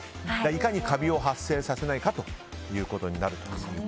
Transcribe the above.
いかにカビを発生させないかということになると。